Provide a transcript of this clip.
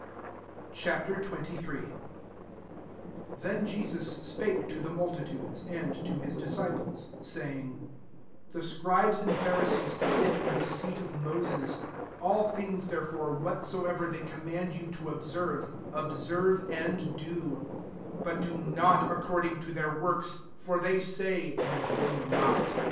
Ch. XXIII. 1 THEN Jesus Spake to the multitudes, and to his disciples, 2 saying, "The Scribes and Pharisees sit in the 6eat of Moses, 3 all things therefore, whatsoever thej com mand you [to observe], observe and do; but do not according to their works: for they say, and do not.